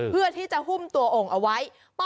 เพื่อที่จะหุ้มตัวโอ่งเอาไว้